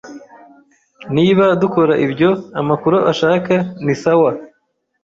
Niba dukora ibyo amakuru ashaka nisawa